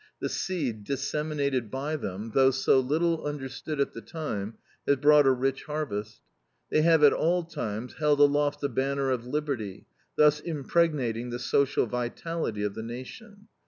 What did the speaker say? The seed disseminated by them, though so little understood at the time, has brought a rich harvest. They have at all times held aloft the banner of liberty, thus impregnating the social vitality of the Nation.